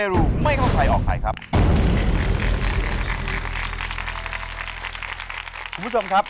คุณผู้ชมครับ